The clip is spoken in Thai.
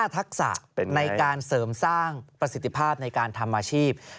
ทักษะในการเสริมสร้างประสิทธิภาพในการทำอาชีพ